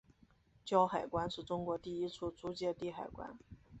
胶海关是中国第一处租借地海关。